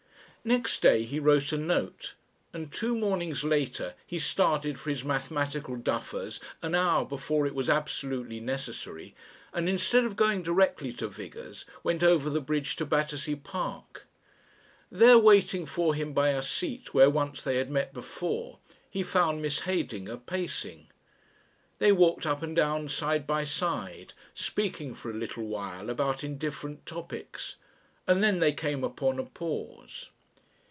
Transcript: Next day he wrote a note, and two mornings later he started for his mathematical duffers an hour before it was absolutely necessary, and instead of going directly to Vigours', went over the bridge to Battersea Park. There waiting for him by a seat where once they had met before, he found Miss Heydinger pacing. They walked up and down side by side, speaking for a little while about indifferent topics, and then they came upon a pause